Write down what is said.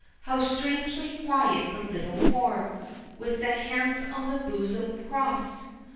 How strangely quiet the little form, With the hands on the bosom crossed!